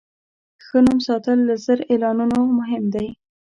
ښه نوم ساتل له زر اعلانونو مهم دی.